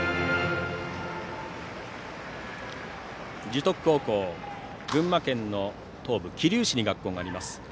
樹徳高校は群馬県の東部、桐生市に学校があります。